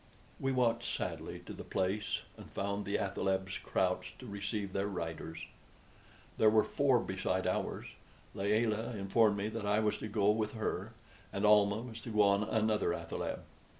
We walked sadly to the place, and found the athalebs crouched to receive their riders. There were four beside ours. Layelah informed me that I was to go with her, and Almah was to go on another athaleb.